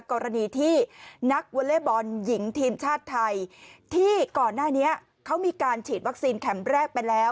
กรณีที่นักวอเล่บอลหญิงทีมชาติไทยที่ก่อนหน้านี้เขามีการฉีดวัคซีนเข็มแรกไปแล้ว